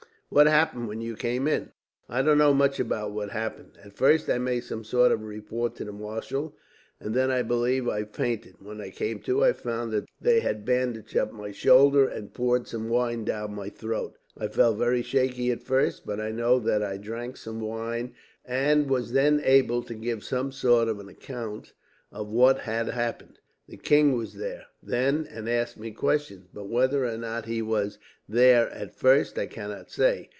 "What happened when you came in?" "I don't know much about what happened. At first I made some sort of report to the marshal, and then I believe I fainted. When I came to, I found that they had bandaged up my shoulder, and poured some wine down my throat. I felt very shaky at first, but I know that I drank some wine, and was then able to give some sort of account of what had happened. The king was there, then, and asked me questions; but whether or not he was there, at first, I cannot say.